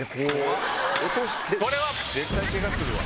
絶対ケガするわ。